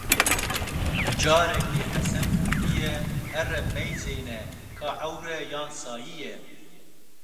Carekê Hesen gotiyê, here meyzêne, ka ewr e, yan sayî ye!